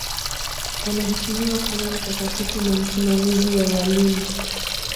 Anaheshimiwa kama mtakatifu na msimamizi wa walimu.